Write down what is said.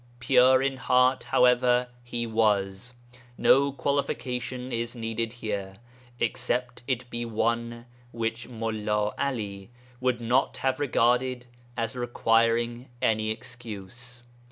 Pure in heart, however, he was; no qualification is needed here, except it be one which Mullā 'Ali would not have regarded as requiring any excuse.